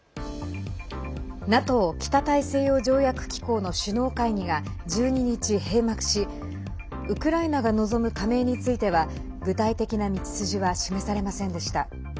ＮＡＴＯ＝北大西洋条約機構の首脳会談が１２日、閉幕しウクライナが望む加盟については具体的な道筋は示されませんでした。